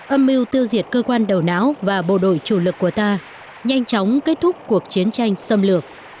âm mưu tiêu diệt cơ quan đầu não và bộ đội chủ lực của ta nhanh chóng kết thúc cuộc chiến tranh xâm lược